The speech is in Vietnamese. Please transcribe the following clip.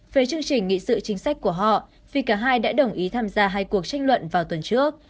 về chương trình nghị sự chính sách của họ phi cả hai đã đồng ý tham gia hai cuộc tranh luận vào tuần trước